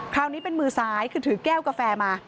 คราวนี้เป็นมือซ้ายคือถือแก้วกาแฟมา